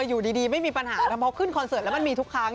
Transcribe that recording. อยู่ดีไม่มีปัญหาแล้วพอขึ้นคอนเสิร์ตแล้วมันมีทุกครั้ง